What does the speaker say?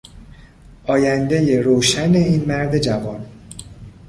آیندهی روشن این مرد جوان